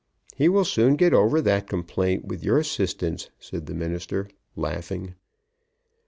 "He will soon get over that complaint with your assistance," said the Minister, laughing.